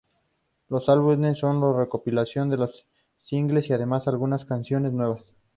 Los álbumes son las recopilaciones de los "singles" y, además, algunas canciones nuevas.